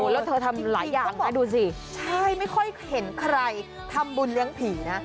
แล้วเธอทำหลายอย่างนะดูสิใช่ไม่ค่อยเห็นใครทำบุญเลี้ยงผีนะ